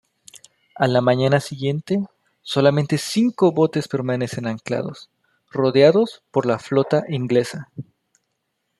A la mañana siguiente solamente cinco botes permanecen anclados, rodeados por la flota inglesa.